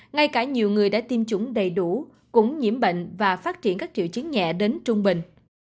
ngay cả nhiều người đã tiêm chủng đầy đủ cũng nhiễm bệnh và phát triển các triệu chứng nhẹ đến trung bình